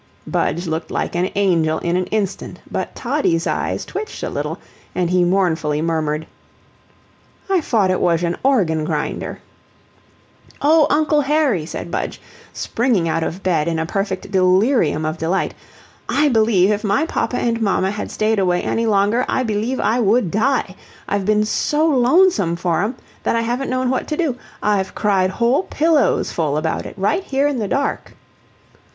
Budge looked like an angel in an instant, but Toddie's eyes twitched a little, and he mournfully murmured: "I fought it wash an organ grinder." "O Uncle Harry!" said Budge, springing out of bed in a perfect delirium of delight, "I believe if my papa an' mamma had stayed away any longer, I believe I would DIE. I've been SO lonesome for 'em that I haven't known what to do I've cried whole pillowsful about it, right here in the dark."